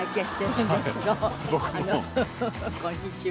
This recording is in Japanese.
こんにちは。